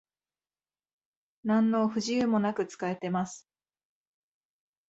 なんの不自由もなく使えてます